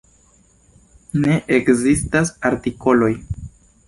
Ne ekzistas artikoloj.